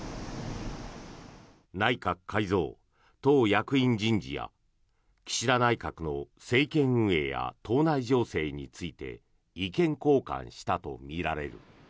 内閣改造、党役員人事や岸田内閣の政権運営や党内情勢について意見交換したとみられる。